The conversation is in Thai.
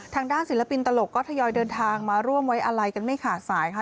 ทางด้านศิลปินตลกก็ทยอยเดินทางมาร่วมไว้อาลัยกันไม่ขาดสายค่ะ